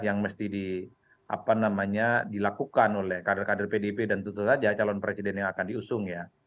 yang mesti dilakukan oleh kader kader pdip dan tentu saja calon presiden yang akan diusung ya